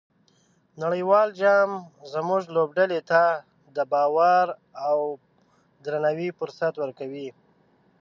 نړیوال جام زموږ لوبډلې ته د باور او درناوي فرصت ورکړ.